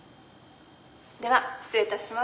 「では失礼いたします」。